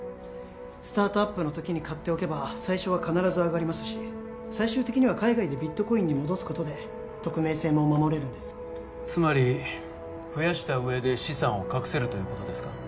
スタートアップの時に買っておけば最初は必ず上がりますし最終的には海外でビットコインに戻すことで匿名性も守れるんですつまり増やした上で資産を隠せるということですか？